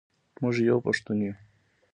موږ یو پښتون یو.